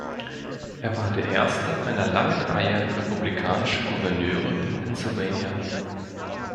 Er war der erste einer langen Reihe republikanischer Gouverneure in Pennsylvania.